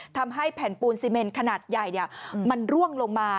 ทำให้แผ่นปูนซีเมนขนาดใหญ่มันร่วงลงมา